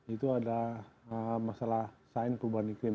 itu ada masalah sain perubahan iklim